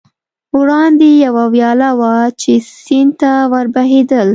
وړاندې یوه ویاله وه، چې سیند ته ور بهېدل.